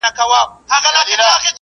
روغتیا ساتل د کورنۍ مسؤلیت دی.